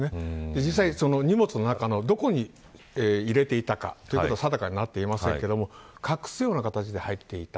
実際、荷物の中のどこに入れていたかが定かになっていませんが隠すような形で入っていた。